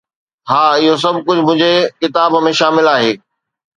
ها، اهو سڀ ڪجهه منهنجي ڪتاب ۾ شامل آهي